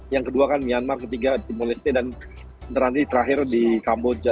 yang kedua kan myanmar ketiga timor leste dan nanti terakhir di kamboja